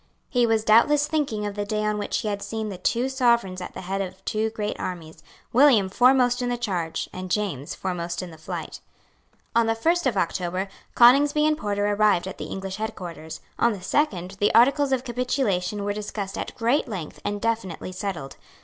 He was doubtless thinking of the day on which he had seen the two Sovereigns at the head of two great armies, William foremost in the charge, and James foremost in the flight. On the first of October, Coningsby and Porter arrived at the English headquarters. On the second the articles of capitulation were discussed at great length and definitely settled.